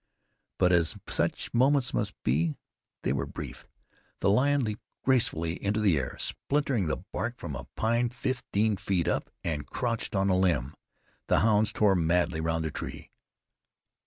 But as such moments must be, they were brief. The lion leaped gracefully into the air, splintering the bark from a pine fifteen feet up, and crouched on a limb. The hounds tore madly round the tree.